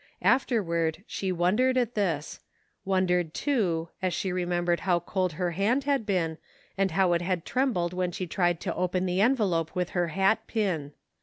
Afterward she wondered at this ; wondered too, as she remembered how fold her hand had been, and how it had trembled when she tried to open the envelope with her hat pin.